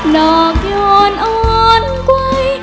ดอกหย่อนอ่อนกว้าย